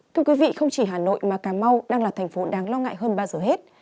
thưa quý vị không chỉ hà nội mà cà mau đang là thành phố đáng lo ngại hơn bao giờ hết